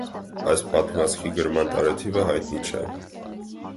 Այս պատմվածքի գրման տարեթիվը հայտնի չէ։